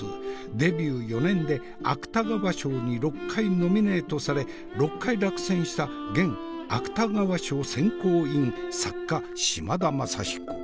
デビュー４年で芥川賞に６回ノミネートされ６回落選した現・芥川賞選考委員作家島田雅彦。